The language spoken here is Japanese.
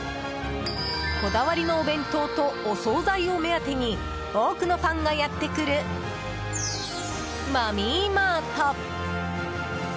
こだわりのお弁当とお総菜を目当てに多くのファンがやってくるマミーマート。